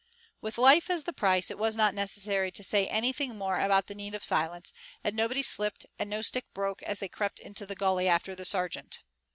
With life as the price it was not necessary to say anything more about the need of silence, and nobody slipped and no stick broke as they crept into the gully after the sergeant.